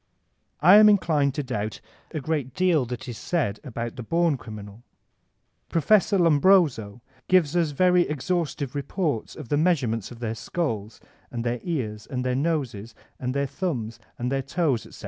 I am inclined to doubt a great deal that is said about the bom criminal. Prof. Lombroso gives us very exhaustive reports of the measurements of their skulls and their ears and their noses and their thumbs and their toes, etc.